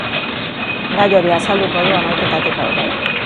Gai hori azalduko du hamaiketatik aurrera.